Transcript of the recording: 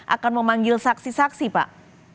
akan memanggil saksi saksi pak